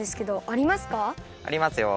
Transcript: ありますよ。